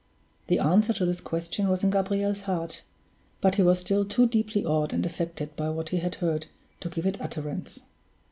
The answer to this question was in Gabriel's heart; but he was still too deeply awed and affected by what he had heard to give it utterance.